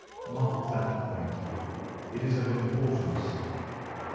Mark that point. It is of importance.